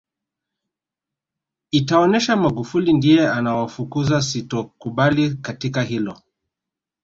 itaonesha Magufuli ndiye anawafukuza sitokubali katika hilo